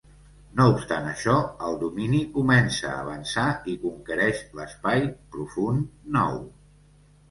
No obstant això, el Domini comença a avançar i conquereix l'Espai profund nou.